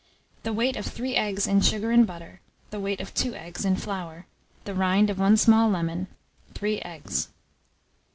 The weight of 3 eggs in sugar and butter, the weight of 2 eggs in flour, the rind of 1 small lemon, 3 eggs.